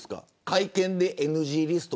会見でＮＧリスト